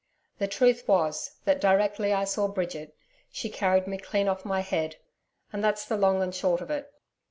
The truth was that directly I saw Bridget, she carried me clean off my head and that's the long and short of it.